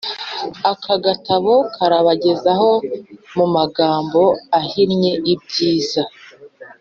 aka gatabo karabagezaho mu magambo ahinnye ibyiza